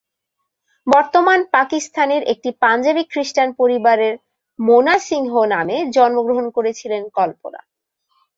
বর্তমান পাকিস্তানের একটি পাঞ্জাবি খ্রিস্টান পরিবারে মোনা সিংহ নামে জন্মগ্রহণ করেছিলেন কল্পনা।